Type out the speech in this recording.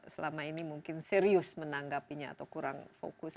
selama ini mungkin serius menanggapinya atau kurang fokus